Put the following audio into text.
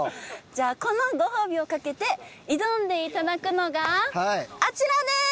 じゃあこのご褒美を懸けて挑んでいただくのがあちらです！